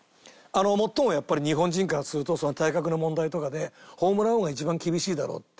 もっともやっぱり日本人からすると体格の問題とかでホームラン王が一番厳しいだろうって。